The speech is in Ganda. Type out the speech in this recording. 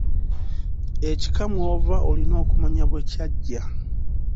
Ekika mw’ova olina okumanya bwe kyajja.